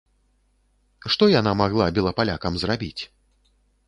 Што яна магла белапалякам зрабіць?